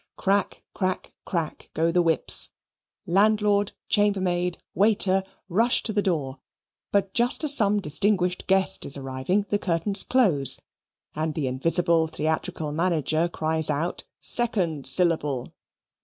Crack, crack, crack, go the whips. Landlord, chambermaid, waiter rush to the door, but just as some distinguished guest is arriving, the curtains close, and the invisible theatrical manager cries out "Second syllable."